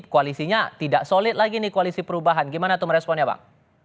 koalisinya tidak solid lagi nih koalisi perubahan gimana tuh meresponnya bang